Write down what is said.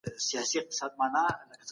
د نویو شیانو زده کول اسانه دي.